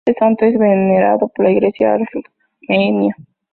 Este santo es venerado por la iglesia armenia.